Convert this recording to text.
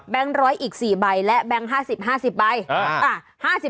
ร้อยอีก๔ใบและแบงค์๕๐๕๐ใบ